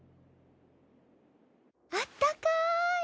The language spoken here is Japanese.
あったかい！